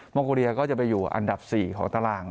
องโกเรียก็จะไปอยู่อันดับ๔ของตาราง